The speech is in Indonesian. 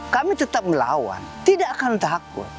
kami tetap melawan tidak akan takut